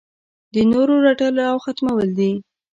د نورو رټل او ختمول دي.